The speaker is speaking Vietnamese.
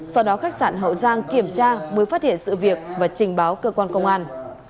sau đó khách sạn hậu giang kiểm tra mới phát hiện sự việc và trình báo cơ quan công an